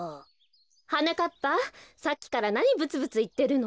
はなかっぱさっきからなにぶつぶついってるの？